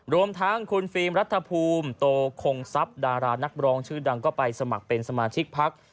รวมทั้งคุณฟิล์มรัฐภูมิโตคงทรัพย์ดารานักร้องชื่อดังก็ไปสมัครเป็นสมาชิกพัก